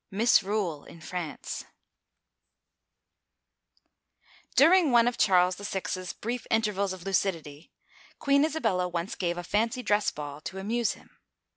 MISRULE IN FRANCE DURING one of Charles VI. *s brief intervals of lucidity. Queen Isabella once gave a fancy dress ball to amuse him.